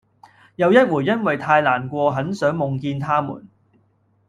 有一回因為太難過很想夢見他們